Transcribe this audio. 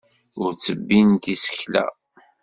Ur ttebbint isekla.